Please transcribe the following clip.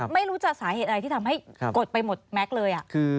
ไม่รู้จะสาเหตุอะไรที่ทำให้กดไปหมดแม็กซ์เลย